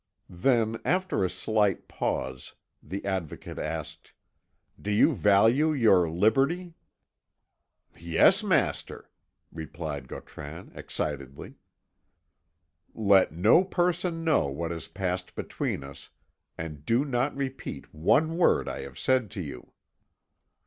Then after a slight pause, the Advocate asked: "Do you value your liberty?" "Yes, master," replied Gautran excitedly. "Let no person know what has passed between us, and do not repeat one word I have said to you."